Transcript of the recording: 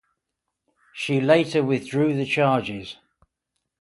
She later withdrew the charges.